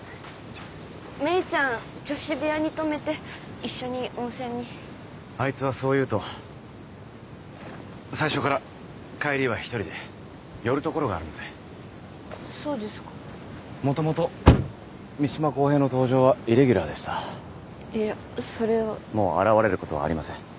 芽衣ちゃん女子部屋に泊めて一緒に温泉にあいつはそう言うと最初から帰りは１人で寄る所があるのでそうですかもともと三島公平の登場はイレギュラーでしたいやそれはもう現われることはありません